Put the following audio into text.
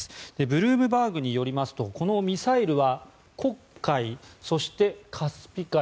ブルームバーグによりますとこのミサイルは黒海、そしてカスピ海